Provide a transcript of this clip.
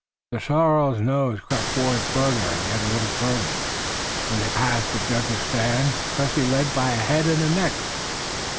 The sorrel nose crept forward farther and yet a little farther. When they passed the judges' stand Cressy led by a head and a neck.